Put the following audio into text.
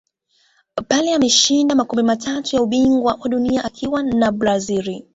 pele ameshinda makombe matatu ya ubingwa wa dunia akiwa na brazil